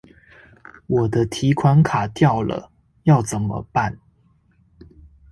我的提款卡掉了，要怎麼辦?